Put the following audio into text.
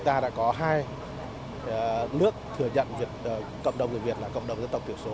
chúng ta đã có hai nước thừa nhận cộng đồng người việt là cộng đồng dân tộc thiểu số